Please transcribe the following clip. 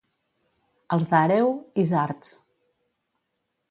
Els d'Àreu, isards.